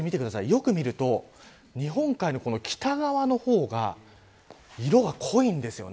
よく見ると日本海より北側の方が色が濃いんです。